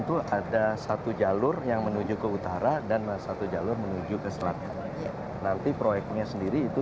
itu ada satu jalur yang menuju ke utara dan satu jalur menuju ke selatan nanti proyeknya sendiri itu